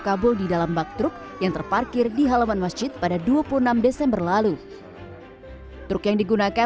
kabul di dalam bak truk yang terparkir di halaman masjid pada dua puluh enam desember lalu truk yang digunakan